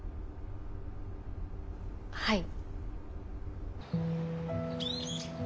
はい。